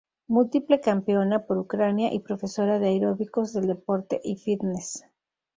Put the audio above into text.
Múltiple campeona por Ucrania y profesora de aeróbicos del deporte y fitness.